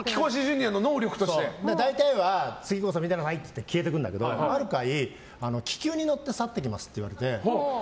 大体は、次こそは見てなさいって消えていくんですけどある回、気球に乗って去っていきますって言われて。